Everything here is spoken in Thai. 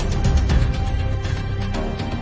ตอนนี้ก็ไม่มีอัศวินทรีย์